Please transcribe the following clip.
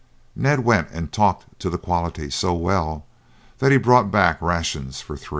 Ned went and talked to the "quality" so well that he brought back rations for three.